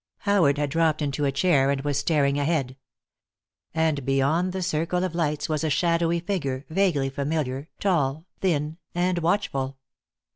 Howard had dropped into a chair and was staring ahead. And beyond the circle of lights was a shadowy figure, vaguely familiar, tall, thin, and watchful.